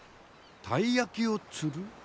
たい焼きを釣る？